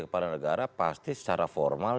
kepala negara pasti secara formal